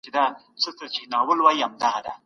باطل هیڅکله د رښتیني اتلانو مخه نه سي نیولای.